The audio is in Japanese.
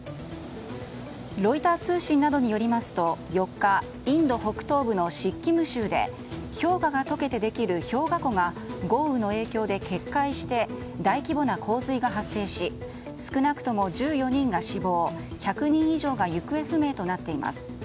ロイター通信などによりますと４日、インド北東部のシッキム州で氷河が解けてできる氷河湖が豪雨の影響で決壊して大規模な洪水が発生し少なくとも１４人が死亡１００人以上が行方不明になっています。